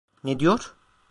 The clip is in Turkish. Ne diyor?